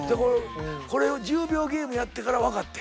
これ１０秒ゲームやってから分かってん。